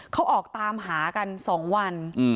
เขาออกตามหากัน๒วัน